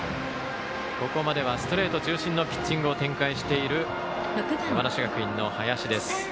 ここまではストレート中心のピッチングを展開している山梨学院の林です。